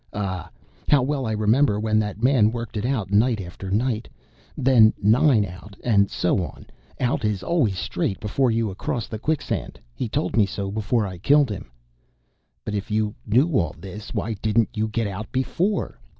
Ah! how well I remember when that man worked it out night after night. Then nine out, and so on. Out is always straight before you across the quicksand. He told me so before I killed him." "But if you knew all this why didn't you get out before?"